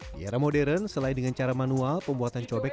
di era modern selain dengan cara manual pembuatan cobek